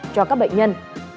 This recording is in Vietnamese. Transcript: cho các bệnh nhân